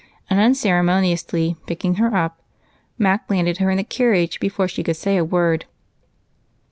And, unceremoniously picking her up, Mac landed her in the carriage before she could say a word.